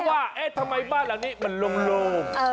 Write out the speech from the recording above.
ว่าเอ๊ะทำไมบ้านหลังนี้มันโล่ง